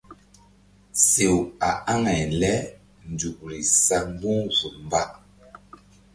Sew a aŋay lenzukri sa mbu̧h vul mba.